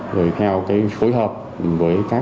rồi theo cái phối hợp với các